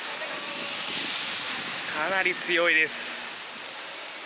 かなり強いです。